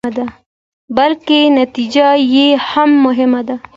بلکې نتيجه يې هم مهمه ده.